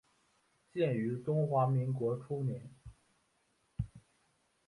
建于中华民国初年。